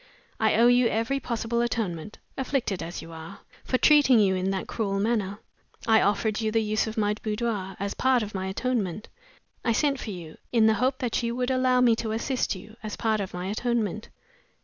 I owe you every possible atonement (afflicted as you are) for treating you in that cruel manner. I offered you the use of my boudoir, as part of my atonement. I sent for you, in the hope that you would allow me to assist you, as part of my atonement.